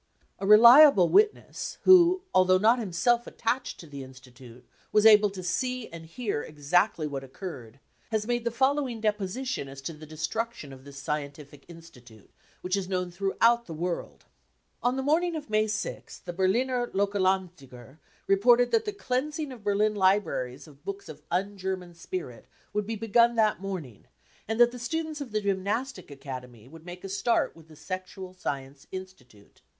A reliable witness who, although not himself attached to the Institute, was able to see and hear exactly j what occurred, has made the following deposition as to the destruction of this scientific institute, which is known j ; throughout the world : On the morning of May 6th, the Berliner Lokalanzjeiger reported that the cleansing of Berlin libraries of books un German spirit would be begun that morning, and K that the students of the Gymnastic Academy would make l66 BROWN BOOK OF THE HITLER TERROR a start with the Sexual Science "Institute.